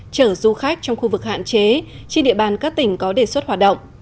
chở du khách trong khu vực hạn chế trên địa bàn các tỉnh có đề xuất hoạt động